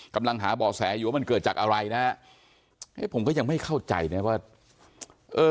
กำลังหาบ่อแสอยู่ว่ามันเกิดจากอะไรนะเอ๊ะผมก็ยังไม่เข้าใจนะว่าเออ